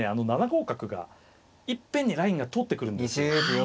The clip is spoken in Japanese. ７五角がいっぺんにラインが通ってくるんです。